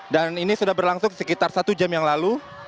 dan ini sudah berlangsung sekitar satu jam yang lalu